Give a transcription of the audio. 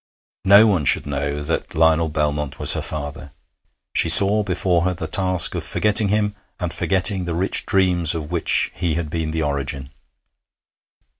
No one should know that Lionel Belmont was her father.... She saw before her the task of forgetting him and forgetting the rich dreams of which he had been the origin.